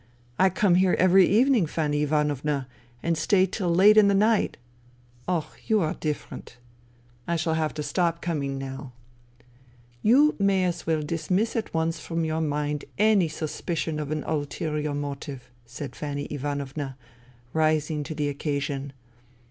I come here every evening, Fanny Ivanovna, and stay till late in the night." " Oh, you are different." " I shall have to stop coming now." " You may as well dismiss at once from your mind any suspicion of an ulterior motive," said Fanny Ivanovna, rising to the occasion.